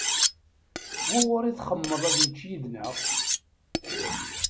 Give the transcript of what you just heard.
Wuɣur i txemmmeḍ ad yečč yid-neɣ?